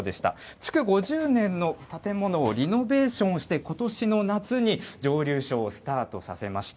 築５０年の建物をリノベーションして、ことしの夏に蒸留所をスタートさせました。